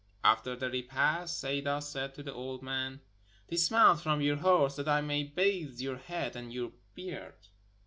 After the repast, Sayda said to the old man: "Dis mount from your horse that I may bathe your head and your beard."